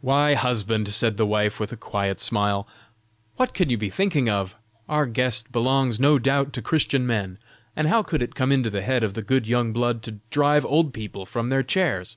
"Why, husband," said the wife, with a quiet smile, "what can you be thinking of? Our guest belongs no doubt to Christian men, and how could it come into the head of the good young blood to drive old people from their chairs?